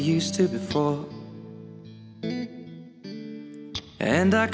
ผู้ว่านะ